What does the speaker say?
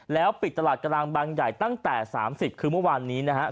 แล้วปิดตลาดกลางบางใหญ่ตั้งแต่๓๐คือเมื่อวานนี้นะครับ